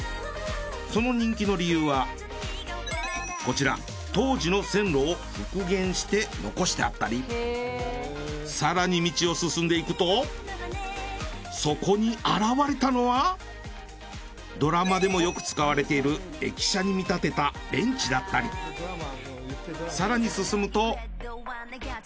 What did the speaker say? その人気の理由はこちら当時の線路を復元して残してあったり更に道を進んでいくとそこに現れたのはドラマでもよく使われている駅舎に見立てたベンチだったり更に進むと。